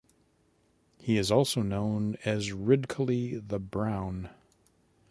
He is also known as Ridcully the Brown.